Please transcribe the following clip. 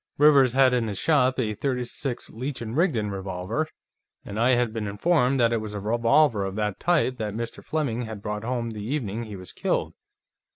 Rivers had in his shop a .36 Leech & Rigdon revolver, and I had been informed that it was a revolver of that type that Mr. Fleming had brought home the evening he was killed.